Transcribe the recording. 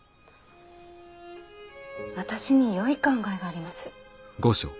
私によい考えがあります。